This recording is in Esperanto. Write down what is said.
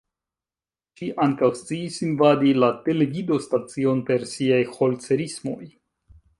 Ŝi ankaŭ sciis invadi la televidostacion per siaj "'Holzerismoj"'.